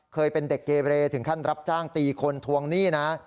เคยเป็นเด็กเกเรถึงขั้นรับจ้างตีคนทวงหนี้นะ